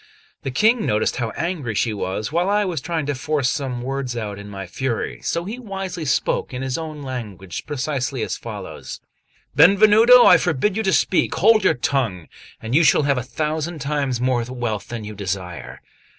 The King noticed how angry she was, while I was trying to force some words out in my fury; so he wisely spoke, in his own language, precisely as follows: "Benvenuto, I forbid you to speak; hold your tongue, and you shall have a thousand times more wealth than you desire."